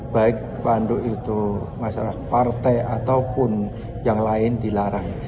baik pandu itu masalah partai ataupun yang lain dilarang